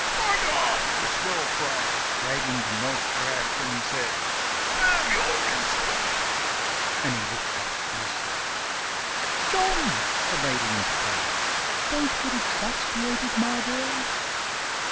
"Blackguard!" the swell cried, dragging the moist rag from his head "damn your insolence!" And he looked up fiercely. "John!" the lady interposed, "don't get exasperated, my dear!"